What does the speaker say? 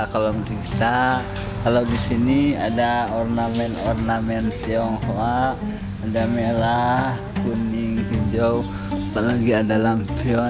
kalau menurut kita kalau di sini ada ornamen ornamen tionghoa ada merah kuning hijau apalagi ada lampion